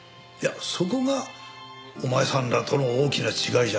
そこがお前さんらとの大きな違いじゃないのか？